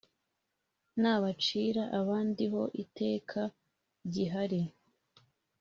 n’abacira abandi ho iteka gihari